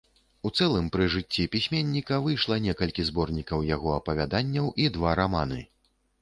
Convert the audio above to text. У цэлым пры жыцці пісьменніка выйшла некалькі зборнікаў яго апавяданняў і два раманы.